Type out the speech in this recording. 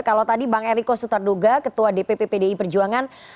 kalau tadi bang eriko sutarduga ketua dpp pdi perjuangan